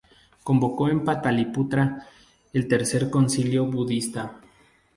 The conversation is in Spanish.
Convocó en Pataliputra el tercer concilio budista.